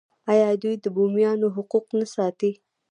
آیا دوی د بومیانو حقوق نه ساتي؟